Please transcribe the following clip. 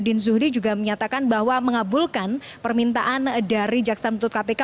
didin zuhdi juga menyatakan bahwa mengabulkan permintaan dari jaksa penuntut kpk